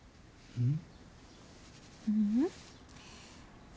うん。